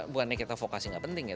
bukannya kita vokasi nggak penting ya